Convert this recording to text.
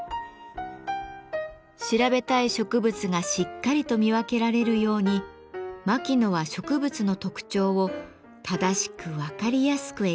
調べたい植物がしっかりと見分けられるように牧野は植物の特徴を正しく分かりやすく描きました。